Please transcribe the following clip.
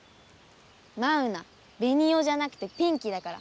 マウナ「ベニオ」じゃなくて「ピンキー」だから。